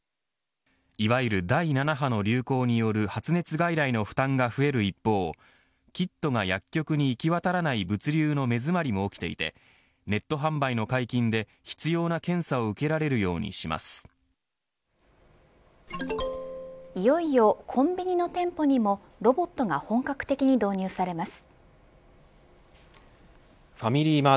いわゆる第７波の流行による発熱外来の負担が増える一方キットが薬局に行き渡らない物流への目詰まりも起きていてネット販売の解禁で必要な検査をいよいよコンビニの店舗にもロボットが本格的に導入されます。